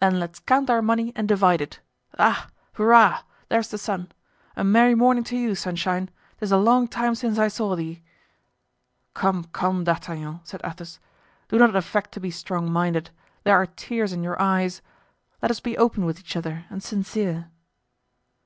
"Then let's count our money and divide it. Ah! hurrah! there's the sun! A merry morning to you, Sunshine. 'Tis a long time since I saw thee!" "Come, come, D'Artagnan," said Athos, "do not affect to be strong minded; there are tears in your eyes. Let us be open with each other and sincere."